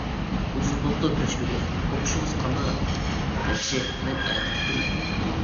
ئۇزۇن بوپتۇ كۆرۈشمىگىلى ئوقۇشىڭىز قانداقراق؟ -ياخشى مەن ئەتە كىتىمەن.